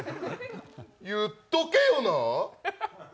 言っとけよ。